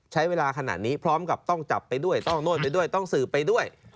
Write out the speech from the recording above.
ใช้เวลาขนาดนี้พร้อมกับต้องจับไปด้วยต้องโน่นไปด้วยต้องสืบไปด้วย